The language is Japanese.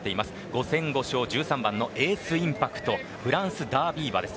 ５戦５勝１３番のエースインパクトフランスダービー馬です。